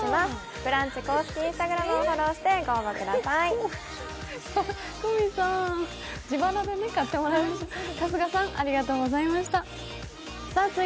「ブランチ」公式Ｉｎｓｔａｇｒａｍをフォローして応募してください。